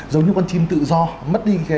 giống như con chim tự do mất đi